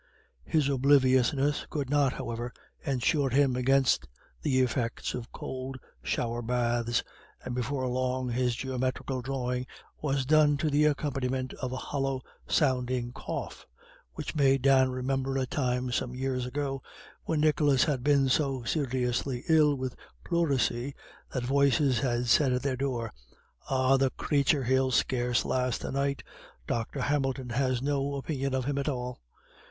His obliviousness could not, however, ensure him against the effects of cold shower baths, and before long his geometrical drawing was done to the accompaniment of a hollow sounding cough, which made Dan remember a time some years ago when Nicholas had been so seriously ill with pleurisy that voices had said at their door, "Ah, the crathur, he'll scarce last the night. Dr. Hamilton has no opinion of him at all.